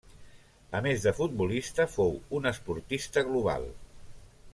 A més de futbolista fou un esportista global.